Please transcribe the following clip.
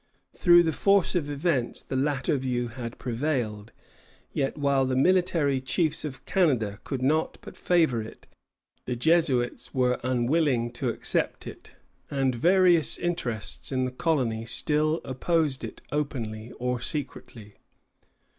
Through the force of events the latter view had prevailed; yet while the military chiefs of Canada could not but favor it, the Jesuits were unwilling to accept it, and various interests in the colony still opposed it openly or secretly.